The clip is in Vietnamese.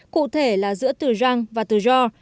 cụ thể là giữa từ răng và từ ro